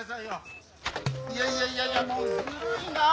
いやいやいやいやずるいなあ。